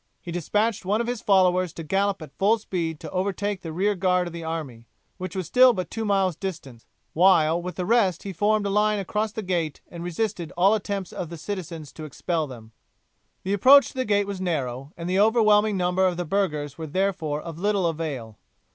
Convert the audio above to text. He despatched one of his followers to gallop at full speed to overtake the rear guard of the army, which was still but two miles distant, while with the rest he formed a line across the gate and resisted all the attempts of the citizens to expel them. The approach to the gate was narrow, and the overwhelming number of the burghers were therefore of little avail.